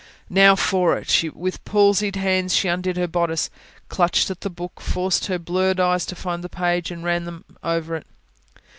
Now for it! With palsied hands she undid her bodice, clutched at the book, forced her blurred eyes to find the page, and ran them over it.